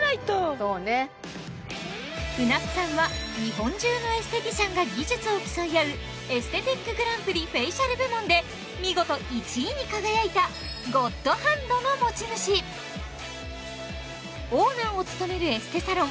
舟津さんは日本中のエステティシャンが技術を競い合うエステティックグランプリフェイシャル部門で見事１位に輝いたゴッドハンドの持ち主オーナーを務めるエステサロン